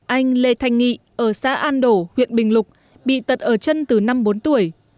anh lê thanh nghị ở xã an đổ huyện bình lục bị tật ở chân từ năm bốn tuổi